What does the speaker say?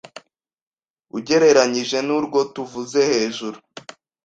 ugereranyije n’urwo tuvuze hejuru